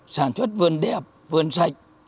sản xuất vườn đẹp vườn sạch